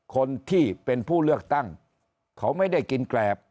คนที่เป็นผู้เลือกตั้งเขาไม่ได้กินแกรบ